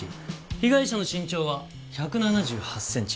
被害者の身長は１７８センチ。